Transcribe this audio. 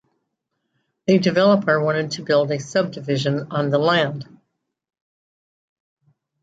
The developer wanted to build a subdivision on the land.